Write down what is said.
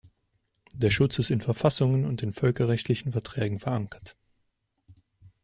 Der Schutz ist in Verfassungen und in völkerrechtlichen Verträgen verankert.